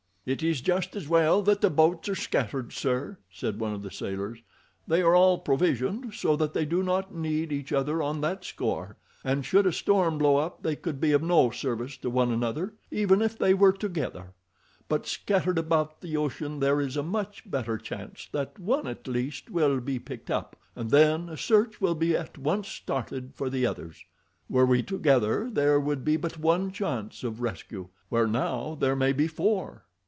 "It is just as well that the boats are scattered, sir," said one of the sailors. "They are all provisioned, so that they do not need each other on that score, and should a storm blow up they could be of no service to one another even if they were together, but scattered about the ocean there is a much better chance that one at least will be picked up, and then a search will be at once started for the others. Were we together there would be but one chance of rescue, where now there may be four."